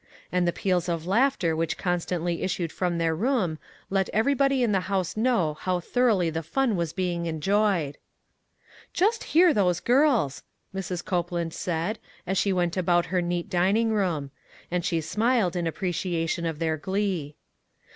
And the peals of laughter which constantly issued from their room let everybody in the house know how thoroughly the fun was being enjoyed. " Just hear those girls !" Mrs. Copeland 46 ONE COMMONPLACE DAY. said, as she went about her neat dining room ; and she smiled in appreciation of their glee.